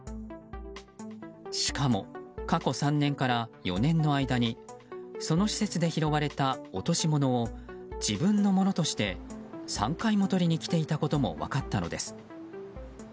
しかも過去３年から４年の間にその施設で拾われた落とし物を自分のものとして３回も取りに来ていたことも分かったのです。